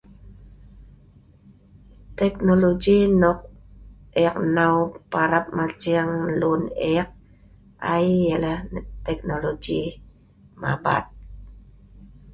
Teknologi nok e'ek hnau parap maceng lun e'ek ai, yalah teknologi mabat